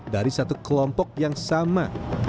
dari satu kelompok yang sama